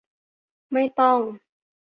ไม่ต้อง